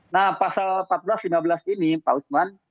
nah pasal empat belas lima belas ini pak usman